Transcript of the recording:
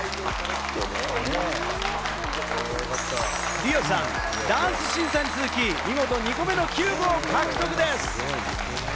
リオさん、ダンス審査に続き見事、２個目のキューブを獲得です。